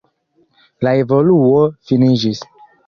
La evoluo finiĝis.